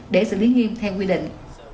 để xử lý nghiêm theo quy định